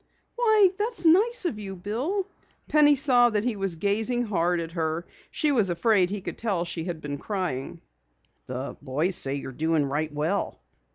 "Why, that's nice of you, Bill." Penny saw that he was gazing hard at her. She was afraid he could tell that she had been crying. "The boys say you're doing right well."